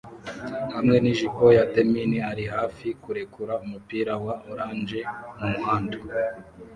hamwe nijipo ya denim ari hafi kurekura umupira wa orange mumuhanda